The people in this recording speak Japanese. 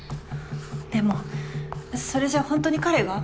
でもそれじゃあ本当に彼が？